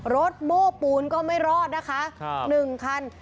รถโม้ปูนก็ไม่รอดนะคะ๑คัน